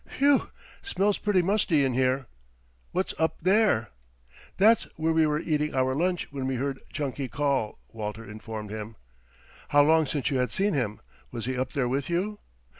"Whew! smells pretty musty in here. What's that up there?" "That's where we were eating our lunch when we heard Chunky call," Walter informed him. "How long since you had seen him was he up there with you?"